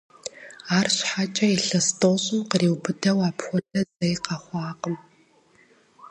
Арщхьэкӏэ илъэс тӏощӏым къриубыдэу апхуэдэ зэи къэхъуакъым.